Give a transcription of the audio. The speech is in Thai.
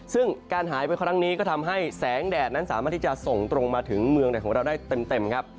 ซึ่งการหายไปครั้งนี้ก็ทำให้แสงแดดนั้นสามารถที่จะส่งตรงมาถึงเมืองไหนของเราได้เต็มครับ